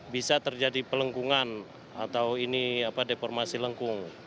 bisa terjadi pelengkungan atau ini deformasi lengkung